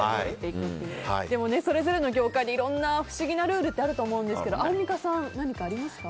それぞれの業界でいろんな不思議なルールってあるとおもうんですがアンミカさん、何かありますか？